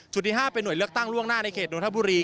ที่๕เป็นห่วยเลือกตั้งล่วงหน้าในเขตนทบุรี